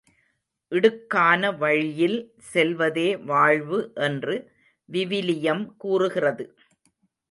இடுக்கான வழியில் செல்வதே வாழ்வு என்று விவிலியம் கூறுகிறது.